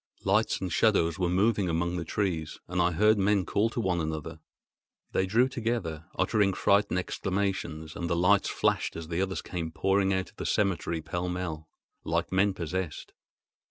Lights and shadows were moving among the trees, and I heard men call to one another. They drew together, uttering frightened exclamations; and the lights flashed as the others came pouring out of the cemetery pell mell, like men possessed.